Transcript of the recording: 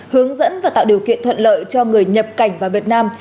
hướng dẫn và tạo điều kiện thuận lợi cho người nhập cảnh vào việt nam